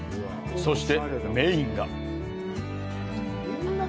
そして、メインが。